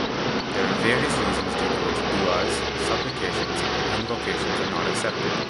There are various reasons due to which Du'as, supplications and invocations are not accepted.